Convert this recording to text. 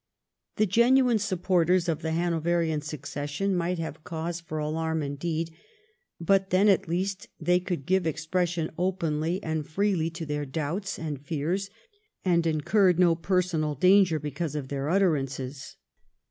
The genuine supporters of the Hanoverian succession might have cause for alarm indeed, but then at least they could give expression openly and freely to their doubts and fears, and incurred no personal danger because of their utterances.